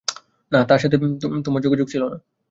না, তার সাথে আর তোমার যোগাযোগ ছিল না।